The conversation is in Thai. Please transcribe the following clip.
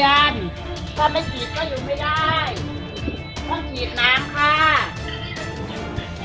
ต้องไปฉีดก็อยู่ไม่ได้